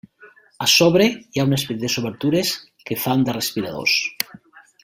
A sobre hi ha unes petites obertures que fan de respiradors.